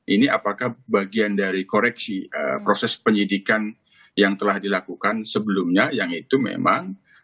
ini apakah bagian dari koreksi proses penyidikan yang telah dilakukan sebelumnya yang itu memang